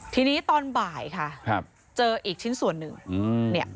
ทีนี้ตอนบ่ายค่ะเจออีกชิ้นส่วนหนึ่ง